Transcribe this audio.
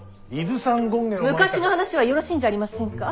昔の話はよろしいんじゃありませんか。